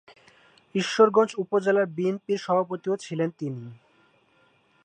ঈশ্বরগঞ্জ উপজেলা বিএনপির সভাপতিও ছিলেন তিনি।